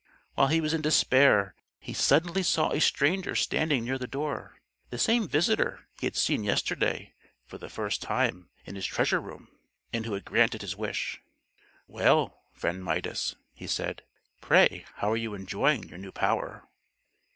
While he was in despair he suddenly saw a stranger standing near the door, the same visitor he had seen yesterday for the first time in his treasure room, and who had granted his wish. "Well, friend Midas," he said, "pray how are you enjoying your new power?"